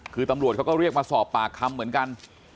คือตำรวจเขาก็เรียกมาสอบปากคำเหมือนกัน